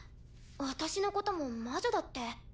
私のことも魔女だって。